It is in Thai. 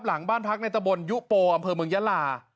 หลังบ้านพักในตะบนยุโปอำเภอเมืองยาลา